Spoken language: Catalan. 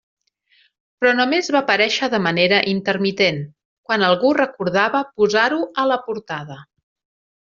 Però només va aparèixer de manera intermitent, quan algú recordava posar-ho a la portada.